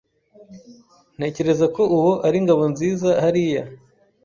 Ntekereza ko uwo ari Ngabonziza hariya